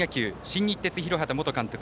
新日鉄広畑元監督